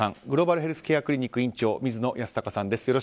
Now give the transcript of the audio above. グローバルヘルスケアクリニック院長、水野泰孝さんです。